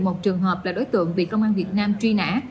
một trường hợp là đối tượng bị công an việt nam truy nã